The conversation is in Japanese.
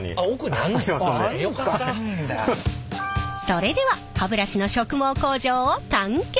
それでは歯ブラシの植毛工場を探検！